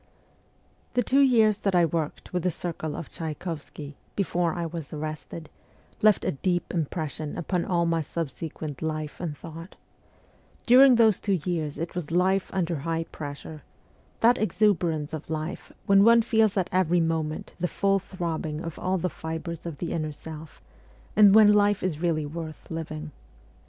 XV THE two years that I worked with the circle of Tchay kovsky, before I was arrested, left a deep impression upon all my subsequent life and thought During those two years it was life under high pressure that exuberance of life when one feels at every moment the full throbbing of all the fibres of the inner self, and when life is really worth living.